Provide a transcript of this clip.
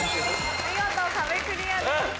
見事壁クリアです。